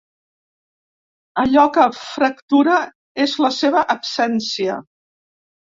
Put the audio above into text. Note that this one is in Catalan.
Allò que fractura és la seva absència.